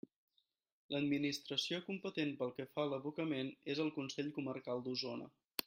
L'administració competent pel que fa a l'abocament és el Consell Comarcal d'Osona.